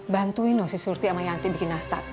bantuin loh si surti sama yanti bikin nastar